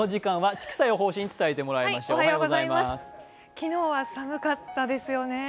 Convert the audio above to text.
昨日は寒かったですよね。